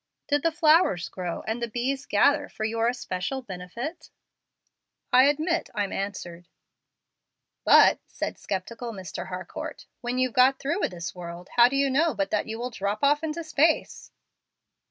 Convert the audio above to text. "Did the flowers grow and the bees gather for your especial benefit?" "I admit I'm answered." "But," said sceptical Mr. Harcourt, "when you've got through with this world how do you know but that you will drop off into space?"